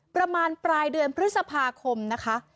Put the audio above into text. ประมาณปลายเดือนพฤษภาคมนะคะ